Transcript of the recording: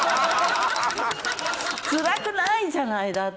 つらくないじゃないだって！